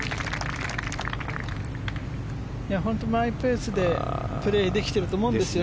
本当にマイペースでプレーできてると思うんです１